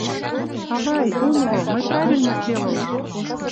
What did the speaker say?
— Авай, умыло, мый правильно сделала.